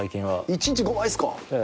一日５枚っすか。